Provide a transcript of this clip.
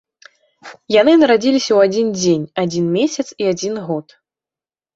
Яны нарадзіліся ў адзін дзень, адзін месяц і адзін год.